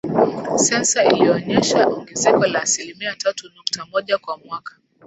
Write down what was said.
Sensa iliyoonyesha ongezeko la asilimia tatu nukta moja kwa mwaka